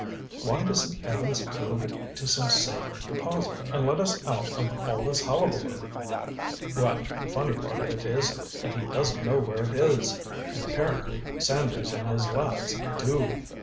"Why doesn't Evans move it to some safe deposit and let us out of all this hullabaloo!" "Well, the funny part of it is, that he doesn't know where it is—and apparently Sanders and his lads do!"